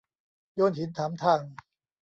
โยนหินถามทาง